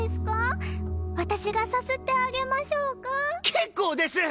結構です！